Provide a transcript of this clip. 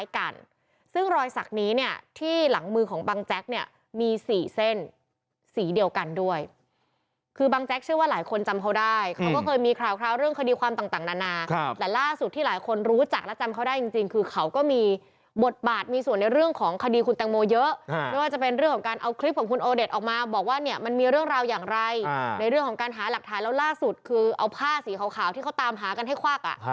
แต่บางแจ๊กเชื่อว่าหลายคนจำเขาได้เขาก็เคยมีข่าวเรื่องคดีความต่างนานาแต่ล่าสุดที่หลายคนรู้จักและจำเขาได้จริงคือเขาก็มีบทบาทมีส่วนในเรื่องของคดีคุณแตงโมเยอะไม่ว่าจะเป็นเรื่องของการเอาคลิปของคุณโอเดชออกมาบอกว่าเนี่ยมันมีเรื่องราวอย่างไรในเรื่องของการหาหลักฐานแล้วล่าสุดคือเอาผ้าสีขาวที่เขาตามหากันให้ควักอ่ะ